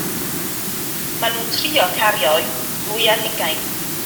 Maen nhw'n trio cario o'u dwy ar hugain.